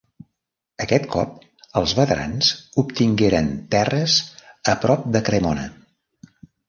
Aquest cop, els veterans obtingueren terres a prop de Cremona.